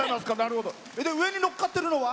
上にのっかってるのは？